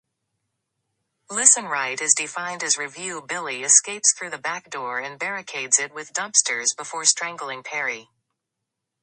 Billy escapes through the back door and barricades it with dumpsters before strangling Perry.